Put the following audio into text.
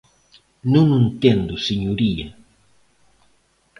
Non o entendo, señoría.